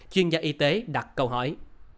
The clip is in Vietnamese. chuyên gia y tế đặt câu hỏi